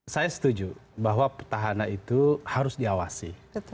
saya setuju bahwa petahana itu harus diawasi